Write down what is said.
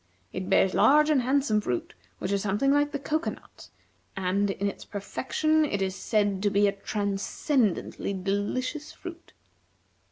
It bears large and handsome fruit which is something like the cocoanut; and, in its perfection, is said to be a transcendently delicious fruit."